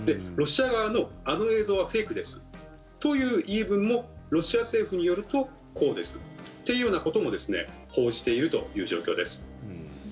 ロシア側の、あの映像はフェイクですという言い分もロシア政府によるとこうですというようなことも報じているという状況です。